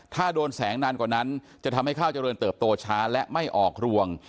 ถ้าโดนแสงนานกว่านั้นจะทำให้ข้าวเจริญเติบโตช้าและไม่ออกรวง